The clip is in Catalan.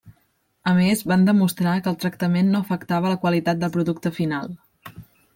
A més van demostrar que el tractament no afectava la qualitat del producte final.